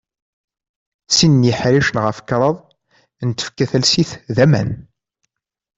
Sin yiḥricen ɣef kraḍ n tfekka talsit d aman.